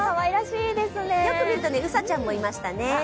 よく見るとうさちゃんもいましたね。